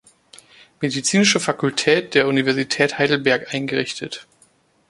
Medizinische Fakultät der Universität Heidelberg, eingerichtet.